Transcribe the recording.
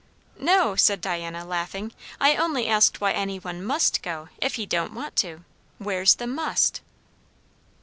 "No," said Diana, laughing; "I only asked why any one must go, if he don't want to? Where's the _must?